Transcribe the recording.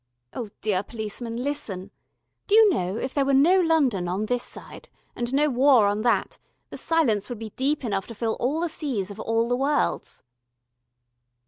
Oh, dear policeman, listen.... Do you know, if there were no London on this side and no War on that, the silence would be deep enough to fill all the seas of all the worlds...."